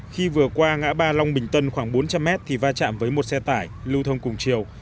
khi vừa qua ngã ba long bình tân khoảng bốn trăm linh mét thì va chạm với một xe tải lưu thông cùng chiều